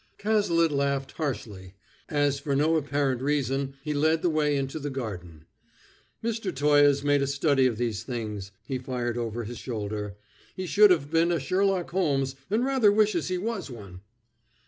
Cazalet laughed harshly, as for no apparent reason he led the way into the garden. "Mr. Toye's made a study of these things," he fired over his shoulder. "He should have been a Sherlock Holmes, and rather wishes he was one!"